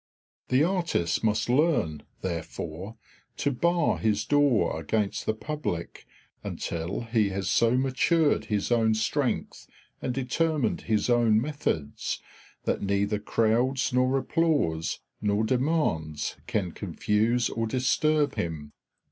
The artist must learn, therefore, to bar his door against the public until he has so matured his own strength and determined his own methods that neither crowds nor applause nor demands can confuse or disturb him.